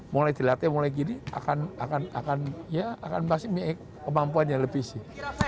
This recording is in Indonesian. mulai dilatih mulai gini akan masih memiliki kemampuan yang lebih sih